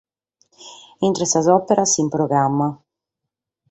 Intre sas òperas in programma.